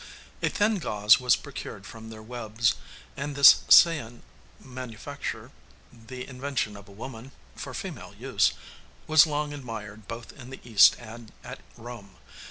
A thin gauze was procured from their webs, and this Cean manufacture, the invention of a woman, for female use, was long admired both in the East and at Rome.